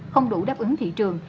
không đủ đáp ứng thị trường